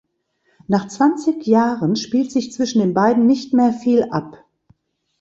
Nach zwanzig Jahren spielt sich zwischen den beiden nicht mehr viel ab.